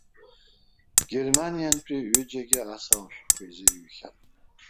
Германиантәи ҩыџьагьы асалам шәҟәқәа изырыҩхьан.